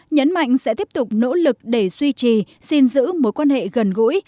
nhấn mạnh sẽ tiếp tục nỗ lực để duy trì xin giữ mối quan hệ gần gũi